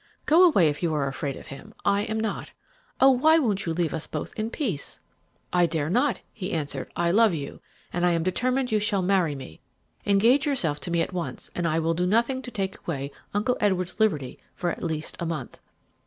Go away if you are afraid of him; I am not. Oh, why don't you leave us both in peace?' "'I dare not,' he answered. 'I love you, and I am determined you shall marry me. Engage yourself to me at once, and I will do nothing to take away Uncle Edward's liberty for at least a month.'